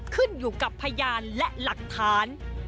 ขึ้นอยู่กับพยานและหลักฐาน